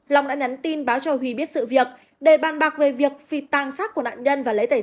long đã nhắn tin báo cho huy biết sự việc để bàn bạc về việc phịt tàn xác của nạn nhân và lấy tài